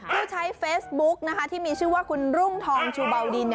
ผู้ใช้เฟซบุ๊กที่มีชื่อว่าคุณรุ่งทองชูเบาดิน